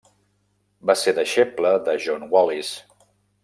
Va ser deixeble de John Wallis.